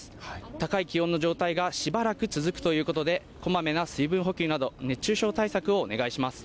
高い気温の状態がしばらく続くということで、こまめな水分補給など、熱中症対策をお願いします。